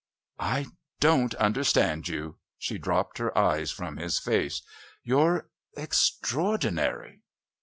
"I don't understand you"; she dropped her eyes from his face. "You're extraordinary."